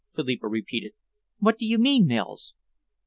Philippa repeated. "What do you mean, Mills?"